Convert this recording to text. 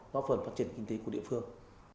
góp phần phát triển kinh tế của địa phương